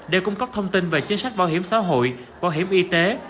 để cung cấp thông tin về chính sách bảo hiểm xã hội bảo hiểm y tế